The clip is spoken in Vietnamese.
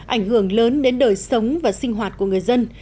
ảnh hưởng lớn đến đời sống và sinh hoạt của người dân